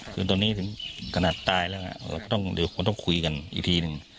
คือตอนนี้ถึงกระหนักตายแล้วอ่ะก็ต้องเดี๋ยวผมต้องคุยกันอีกทีนึง